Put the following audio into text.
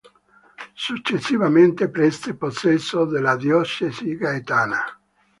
Successivamente prese possesso della diocesi gaetana.